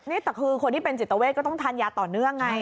นี่แต่คือคนที่เป็นจิตเวทก็ต้องทานยาต่อเนื่องไง